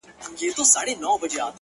اوس يې ياري كومه ياره مـي ده ـ